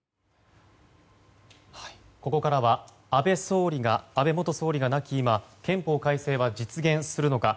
ここからは安倍元総理が亡き今憲法改正は実現するのか。